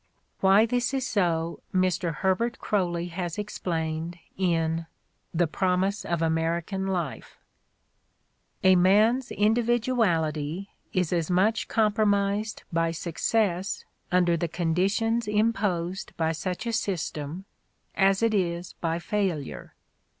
Why this is so Mr. Herbert Croly has explained in '' The Promise of Ameri can Life": "A man's individuality is as much com promised by success under the conditions imposed by such a system as it is by failure.